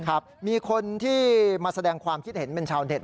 ครับมีคนที่มาแสดงความคิดเห็นเป็นชาวเต็